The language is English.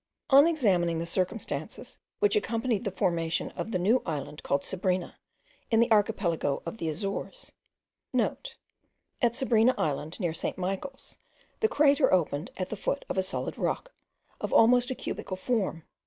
On examining the circumstances which accompanied the formation of the new island, called Sabrina, in the archipelago of the Azores;* (* At Sabrina island, near St. Michael's, the crater opened at the foot of a solid rock, of almost a cubical form.